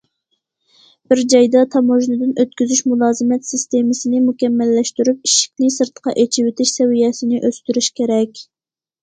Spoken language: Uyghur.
بىر جايدا تاموژنىدىن ئۆتكۈزۈش مۇلازىمەت سىستېمىسىنى مۇكەممەللەشتۈرۈپ، ئىشىكنى سىرتقا ئېچىۋېتىش سەۋىيەسىنى ئۆستۈرۈش كېرەك.